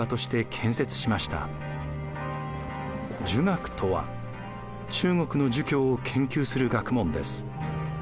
儒学とは中国の儒教を研究する学問です。